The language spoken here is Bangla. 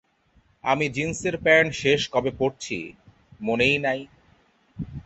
আমি জিন্সের প্যান্ট শেষ কবে পরছি, মনেই নাই।